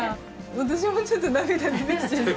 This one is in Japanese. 私もちょっと涙出てきちゃいそう。